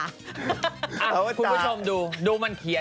คุณผู้ชมดูดูมันเขียน